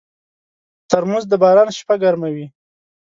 ترموز د باران شپه ګرموي.